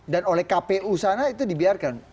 dan oleh kpu sana itu dibiarkan